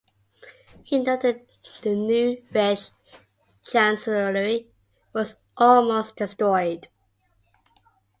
He noted the New Reich Chancellery "...was almost destroyed".